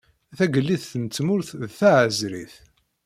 Tagellidt n tmurt d taɛezrit.